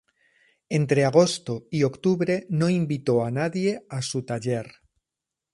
Entre agosto y octubre no invitó a nadie a su taller.